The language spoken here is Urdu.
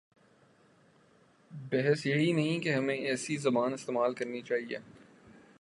بحث یہ نہیں کہ ہمیں ایسی زبان استعمال کرنی چاہیے۔